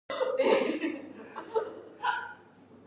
スーパーで卵を買い忘れました。